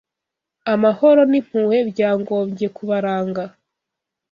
amahoro n ‘impuhwe byagombye kubaranga